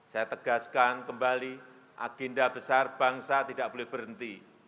saya tegaskan kembali agenda besar bangsa tidak boleh berhenti